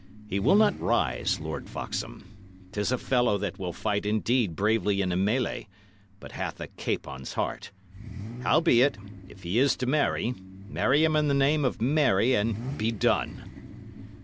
He will not rise, Lord Foxham. 'Tis a fellow that will fight indeed bravely in a mellay, but hath a capon's heart. Howbeit, if he is to marry, marry him in the name of Mary, and be done!"